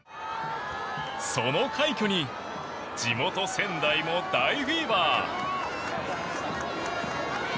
その快挙に地元・仙台も大フィーバー。